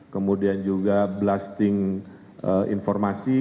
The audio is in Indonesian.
kemudian juga blasting informasi